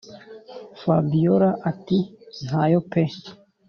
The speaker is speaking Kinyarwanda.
fabiora ati”ntayo pe”